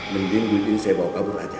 mending duit ini saya bawa kabur aja